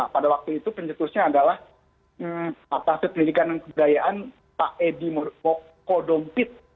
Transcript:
pada waktu itu pengetulusnya adalah pak tasek pendidikan dan kebudayaan pak edy kodongpit